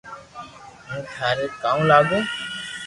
ھون ٿاري ڪاو لاگو